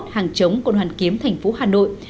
hàng chống cộng đoàn kiếm tp hà nội